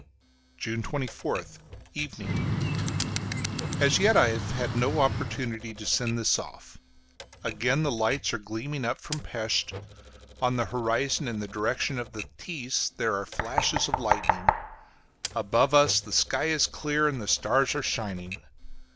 JUNE 24TH: Evening. As yet I have had no opportunity to send this off. Again the lights are gleaming up from Pesth; on the horizon, in the direction of the Theiss, there are flashes of lightning; above us the sky is clear and the stars are shining.